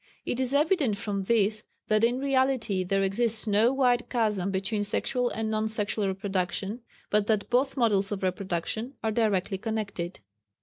It is evident from this, that in reality there exists no wide chasm between sexual and non sexual reproduction, but that both modes of reproduction are directly connected."